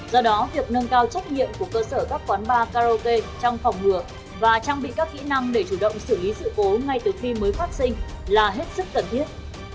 do đó việc nâng cao trách nhiệm của cơ sở các quán bar karaoke trong phòng ngừa và trang bị các kỹ năng để chủ động xử lý sự cố ngay từ khi mới phát sinh là hết sức cần thiết